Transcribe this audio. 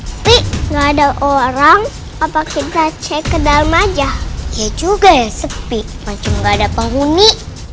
tapi nggak ada orang apa kita cek ke dalam aja ya juga ya sepi macam gak ada penghuni